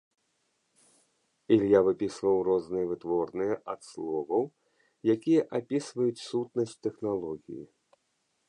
Ілья выпісваў розныя вытворныя ад словаў, якія апісваюць сутнасць тэхналогіі.